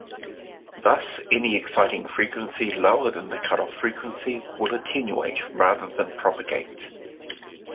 Thus, any exciting frequency lower than the cutoff frequency will attenuate, rather than propagate.